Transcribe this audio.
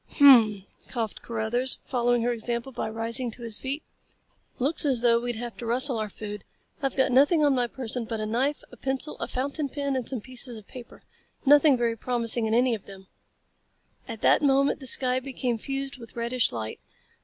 "Hum m m!" coughed Carruthers, following her example by rising to his feet. "Looks as though we'd have to rustle our food. I've got nothing on my person but a knife, a pencil, a fountain pen and some pieces of paper. Nothing very promising in any of them." At that moment the sky became fused with reddish light.